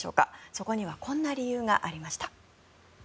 そこにはこんな理由がありました。